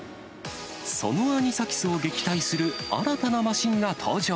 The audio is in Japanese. そのアニサキスを撃退する新たなマシンが登場。